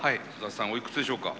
おいくつでしょうか？